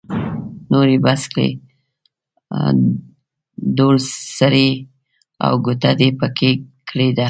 نور يې بس کړئ؛ ډول سری او ګوته دې په کې کړې ده.